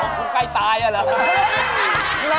คนใกล้ตายนี่ล่ะ